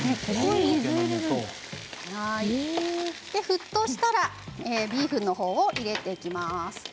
沸騰したらビーフンを入れていきます。